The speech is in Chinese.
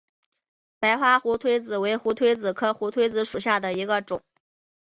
白花胡颓子为胡颓子科胡颓子属下的一个种。